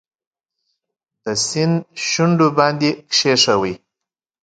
د سیند شونډو باندې کښېښوي